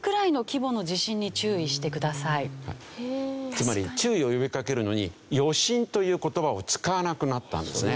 つまり注意を呼びかけるのに「余震」という言葉を使わなくなったんですね。